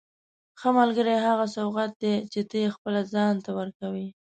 ښه ملګری هغه سوغات دی چې ته یې خپل ځان ته ورکوې.